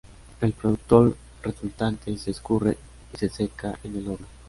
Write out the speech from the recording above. El productor resultante se escurre y se seca en el horno.